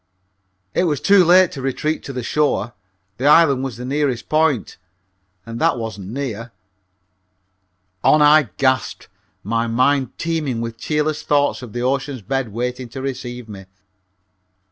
It was too late to retreat to the shore; the island was the nearest point, and that wasn't near. On I gasped, my mind teeming with cheerless thoughts of the ocean's bed waiting to receive me.